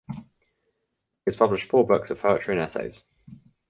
He has published four books of poetry and essays.